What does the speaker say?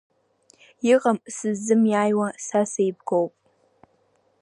Иҟам сыззымиааиуа, са сеибагоуп.